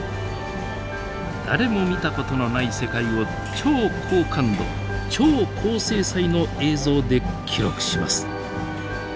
誰も見たことのない世界を超高感度超高精細の映像で記録します。